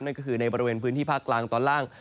นั่นก็คือในบริเวณพื้นที่ภาคกลางตอนล่าง